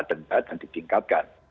denda dan ditingkatkan